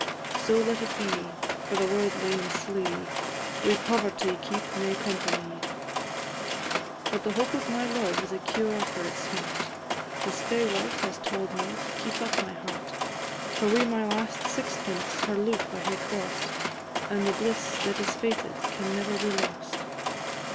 So let it be; for the worldly and slie Wi' poverty keep nae companie. But the hope of my love is a cure for its smart; The spaewife has tauld me to keep up my heart; For wi' my last sixpence her loof I hae cross'd, And the bliss that is fated can never be lost.